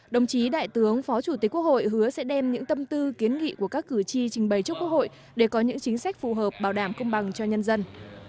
đồng chí đại tướng phó chủ tịch quốc hội hứa sẽ đem những tâm tư kiến nghị của các cử tri trình bày trước quốc hội để có những chính sách phù hợp bảo đảm công bằng cho nhân dân